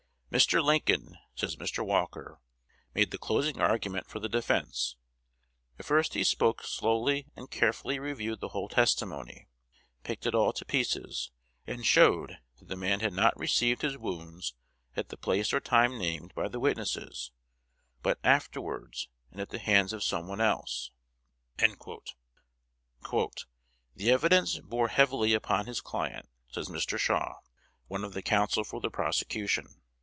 "Mr. Lincoln," says Mr. Walker, "made the closing argument for the defence. At first he spoke slowly, and carefully reviewed the whole testimony, picked it all to pieces, and showed that the man had not received his wounds at the place or time named by the witnesses, but afterwards, and at the hands of some one else" "The evidence bore heavily upon his client," says Mr. Shaw, one of the counsel for the prosecution.